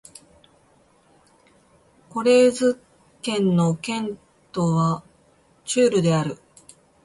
コレーズ県の県都はチュールである